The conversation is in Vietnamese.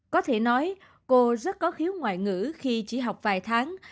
có thể nói cô rất có khiếu ngoại ngữ khi chỉ học vài tháng